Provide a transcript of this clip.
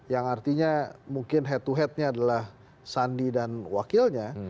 yang artinya mungkin head to headnya adalah sandi dan wakilnya